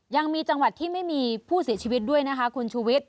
ยังมีจังหวัดที่ไม่มีผู้เสียชีวิตด้วยนะคะคุณชูวิทย